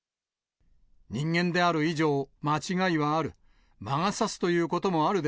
人間である以上、間違いはある。